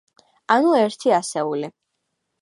ანუ ერთი ასეული.